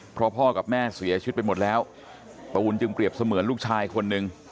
เพราะพ่อกับแม่เสียชีวิตไปหมดแล้วตูนจึงเปรียบเสมือนลูกชายคนหนึ่ง